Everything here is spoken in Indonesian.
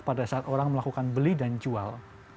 pada saat orang melakukan beli dan jual